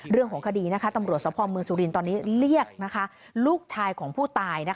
เรื่องของคดีตำรวจสภอมเมืองสุรินทร์ตอนนี้เรียกลูกชายของผู้ตาย